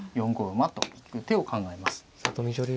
４五馬と行く手を考えます。